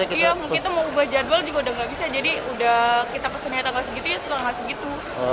iya mungkin itu mau ubah jadwal juga udah gak bisa jadi udah kita pesennya tanggal segitu ya setelah nggak segitu